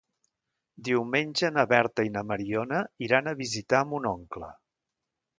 Diumenge na Berta i na Mariona iran a visitar mon oncle.